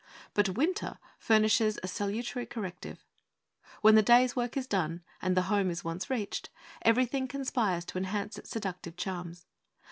But winter furnishes a salutary corrective. When the day's work is done, and the home is once reached, everything conspires to enhance its seductive charms.